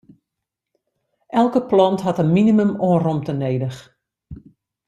Elke plant hat in minimum oan romte nedich.